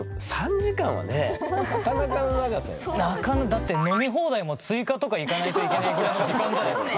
だって飲み放題も追加とかいかないといけないぐらいの時間じゃないですか。